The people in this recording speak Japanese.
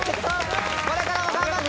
これからも頑張って。